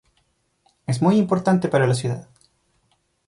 Es muy importante para la ciudad.